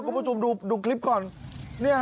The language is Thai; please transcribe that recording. คุณผู้ชมดูคลิปก่อนนี่ฮะ